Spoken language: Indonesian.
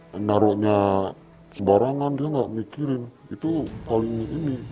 menaruhnya sebarangan dia nggak mikirin itu paling ini